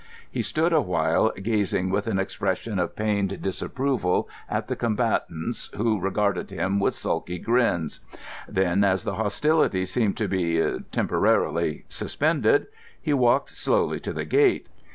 He stood awhile gazing with an expression of pained disapproval at the combatants, who regarded him with sulky grins. Then, as the hostilities seemed to be—temporarily—suspended, he walked slowly to the gate.